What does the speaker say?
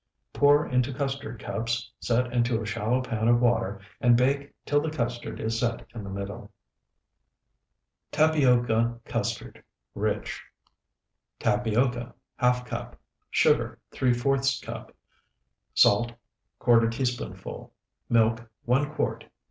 Pour into custard cups, set into a shallow pan of water, and bake till the custard is set in the middle. TAPIOCA CUSTARD (RICH) Tapioca, ½ cup. Sugar, ¾ cup. Salt, ¼ teaspoonful. Milk, 1 quart.